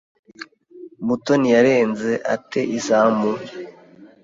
Mutoni yarenze ate izamu?